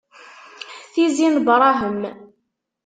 Tizi n Brahem.